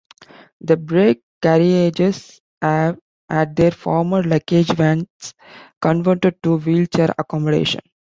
The brake carriages have had their former luggage vans converted to wheelchair accommodation.